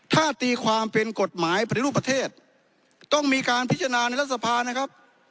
ถ้าตีความเป็นกฎหมายปฏิรูปประเทศต้องมีการพิจารณาในรัฐสภานะครับ